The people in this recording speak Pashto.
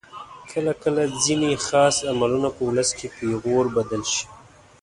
کله کله ځینې خاص عملونه په ولس کې پیغور بدل شي.